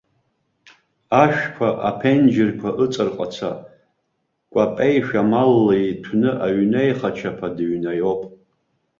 Ашәқәа, аԥенџьырқәа ыҵарҟаца, кәапеишәа малла иҭәны аҩны еихачаԥа дыҩнаиоуп.